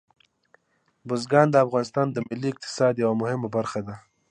بزګان د افغانستان د ملي اقتصاد یوه مهمه برخه ده.